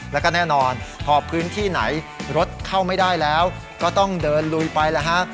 แล้วก็แน่นอนพอพื้นที่ไหนรถเข้าไม่ได้แล้วก็ต้องเดินลุยไปแล้วฮะ